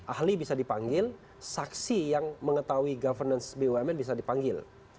ahli bisa dipanggil saksi yang mengetahui governance bumn bisa dipanggil